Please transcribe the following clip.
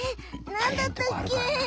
なんだったっけ？